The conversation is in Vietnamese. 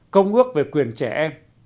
công ước về quyền trẻ em